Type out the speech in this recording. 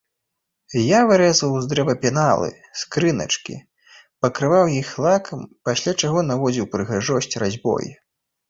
Я вырэзваў з дрэва пеналы, скрыначкі, пакрываў іх лакам, пасля чаго наводзіў прыгажосць разьбой.